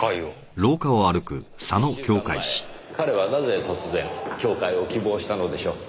１週間前彼はなぜ突然教誨を希望したのでしょう？